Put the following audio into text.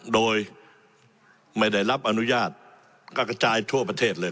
โดยไม่ได้รับอนุญาตก็กระจายทั่วประเทศเลย